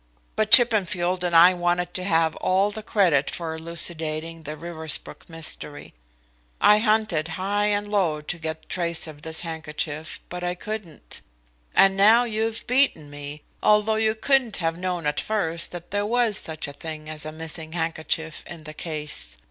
But Chippenfield and I wanted to have all the credit of elucidating the Riversbrook mystery. I hunted high and low to get trace of this handkerchief, but I couldn't. And now you've beaten me, although you couldn't have known at first that there was such a thing as a missing handkerchief in the case.